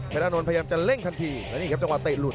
เป็นอานนท์พยายามจะเร่งทันทีและนี่ครับจังหวะเตะหลุด